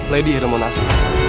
lady yang ada mona asli